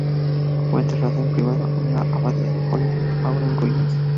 Fue enterrada en privado en la Abadía de Holyrood, ahora en ruinas.